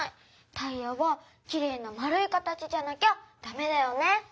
タイヤはきれいなまるい形じゃなきゃダメだよね。